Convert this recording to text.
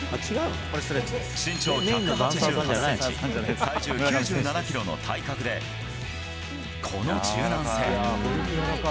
身長１８８センチ、体重９７キロの体格で、この柔軟性。